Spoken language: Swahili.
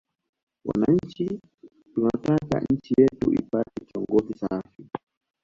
Wananchi tunataka nchi yetu ipate kiongozi safi